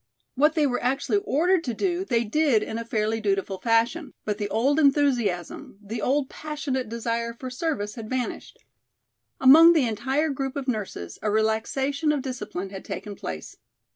What they were actually ordered to do they did in a fairly dutiful fashion, but the old enthusiasm, the old passionate desire for service had vanished. Among the entire group of nurses a relaxation of discipline had taken place.